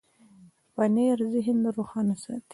پنېر ذهن روښانه ساتي.